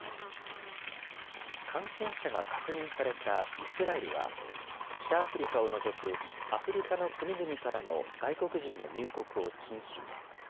感染者が確認されたイスラエルは、北アフリカを除くアフリカの国々からの外国人の入国を禁止に。